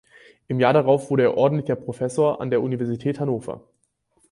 Im Jahr darauf wurde er ordentlicher Professor an der Universität Hannover.